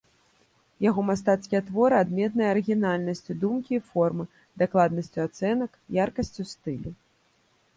Яго мастацкія творы адметныя арыгінальнасцю думкі і формы, дакладнасцю ацэнак, яркасцю стылю.